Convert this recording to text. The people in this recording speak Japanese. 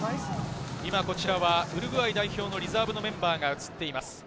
こちらはウルグアイ代表のリザーブのメンバーが映っています。